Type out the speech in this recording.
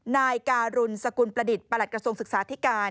นายการุณสกุลประดิษฐ์ประหลัดกระทรวงศึกษาธิการ